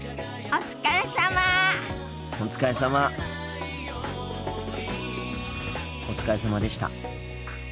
お疲れさまでした。